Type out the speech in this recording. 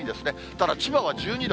ただ千葉は１２度。